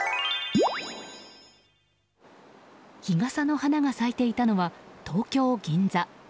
日傘の花が咲いていたのは東京・銀座。